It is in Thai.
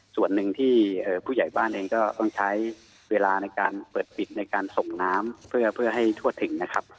ส่วนหนึ่งที่ผู้ใหญ่บ้านเองก็ต้องใช้เวลาในการเปิดปิดในการส่งน้ำเพื่อให้ทั่วถึงนะครับ